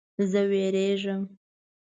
زه ویریږم